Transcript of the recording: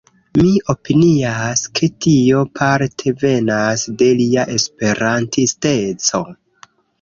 Mi opinias, ke tio parte venas de lia Esperantisteco